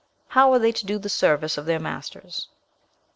How are they to do the service of their masters?